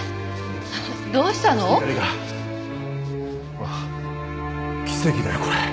ほら奇跡だよこれ。